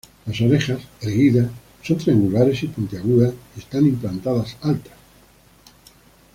Las orejas, erguidas, son triangulares y puntiagudas, y están implantadas altas.